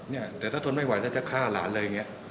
เนี่ยแต่ถ้าทนไม่ไหวแล้วจะฆ่าหลานเลยอย่างนี้